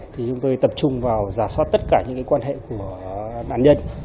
thì chúng tôi tập trung vào giả soát tất cả những quan hệ của nạn nhân